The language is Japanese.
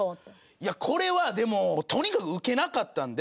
いやこれはでもとにかくウケなかったんで。